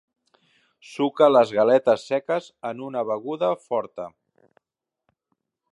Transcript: Suca les galetes seques en una beguda forta.